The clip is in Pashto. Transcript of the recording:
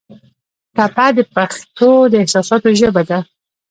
ټپه د پښتو د احساساتو ژبه ده.